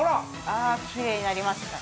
ああきれいになりました。